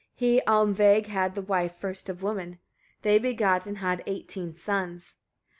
He Almveig had to wife, first of women. They begat and had eighteen sons.